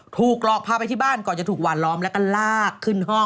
ถูกหลอกพาไปที่บ้านก่อนจะถูกหวานล้อมแล้วก็ลากขึ้นห้อง